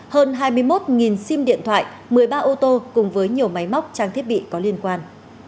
hơn hai mươi một sim điện thoại một mươi ba ô tô cùng với nhiều máy móc trang thiết bị có liên quan